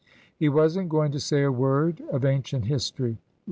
He wasn't going to say a word of ancient history.